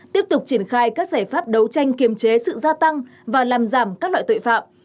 tiếp tục triển khai các giải pháp đấu tranh kiềm chế sự gia tăng và làm giảm các loại tội phạm